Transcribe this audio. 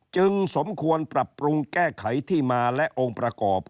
สมควรปรับปรุงแก้ไขที่มาและองค์ประกอบ